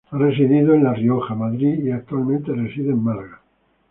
Ha residido en La Rioja, Madrid y actualmente reside en Málaga.